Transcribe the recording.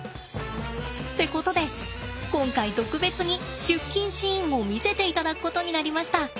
ってことで今回特別に出勤シーンを見せていただくことになりました。